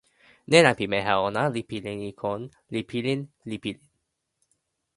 nena pimeja ona li pilin e kon, li pilin, li pilin.